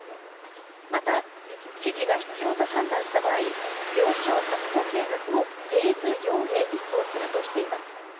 また、知事が必要と判断した場合、病床確保計画をフェーズ４へ移行するとしています。